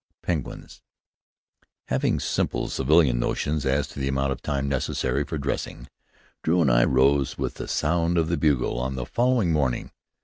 II PENGUINS Having simple civilian notions as to the amount of time necessary for dressing, Drew and I rose with the sound of the bugle on the following morning.